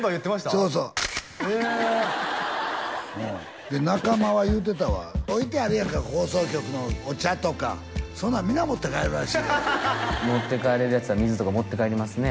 そうそうええ中間は言うてたわ置いてあるやんか放送局のお茶とかそんなんみな持って帰るらしいで持って帰れるやつは水とか持って帰りますね